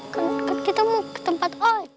kan kita mau ke tempat out